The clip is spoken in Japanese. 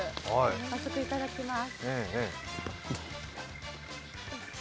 早速いただきます。